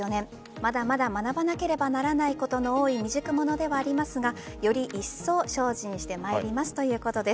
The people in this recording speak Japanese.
まだまだ学ばなければならないことの多い未熟者ではありますがよりいっそう精進してまいりますということです。